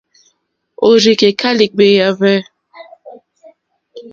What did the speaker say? Òrzìkèká lìɡbèáhwɛ̂.